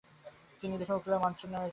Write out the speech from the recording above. তিনি লিখেন "উকিলের মনচোর" নামক একটি গান।